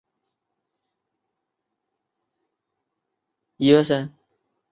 佩内洛普对此毫不上心。